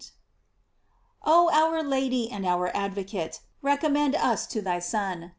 § Oh our Lady and our advocate, recommend us to thy Son.